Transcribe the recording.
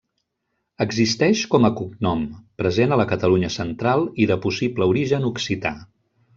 Existeix com a cognom, present a la Catalunya central i de possible origen occità.